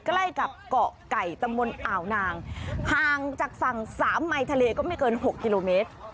ใกล้กับเกาะไก่ตำบลอ่าวนางห่างจากฝั่งสามไมค์ทะเลก็ไม่เกิน๖กิโลเมตร